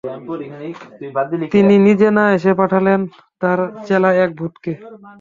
তিনি নিজে না এসে পাঠালেন তার চেলা এক ভূতকে।